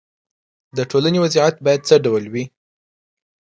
د ټولنې وضعیت باید څه ډول وي.